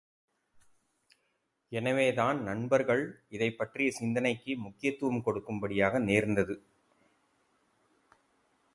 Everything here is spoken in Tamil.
எனவே, தான் நண்பர்கள் இதைப் பற்றிய சிந்தனைக்கு முக்கியத்துவம் கொடுக்கும்படியாக நேர்ந்தது.